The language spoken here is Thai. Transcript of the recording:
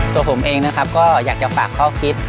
ตัวผมเองนะครับก็อยากจะฝากข้อคิด